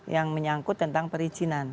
yang menyangkut tentang perizinan